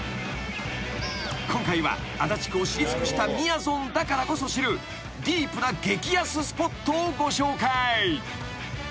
［今回は足立区を知り尽くしたみやぞんだからこそ知るディープな激安スポットをご紹介］